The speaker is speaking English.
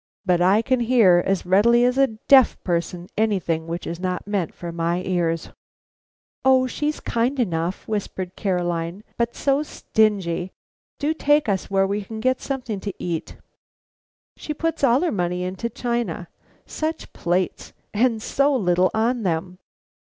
But I can hear as readily as a deaf person anything which is not meant for my ears. "O she's kind enough," whispered Caroline, "but so stingy. Do take us where we can get something to eat." "She puts all her money into china! Such plates! _and so little on them!